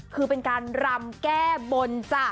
คือเป็นการรำแก้บนจ้ะ